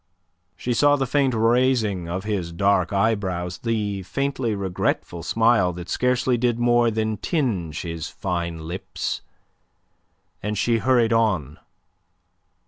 She saw the faint raising of his dark eyebrows, the faintly regretful smile that scarcely did more than tinge his fine lips, and she hurried on.